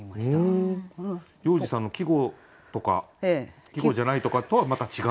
要次さんの「季語とか季語じゃないとか」とはまた違う？